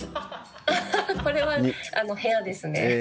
これは部屋ですね。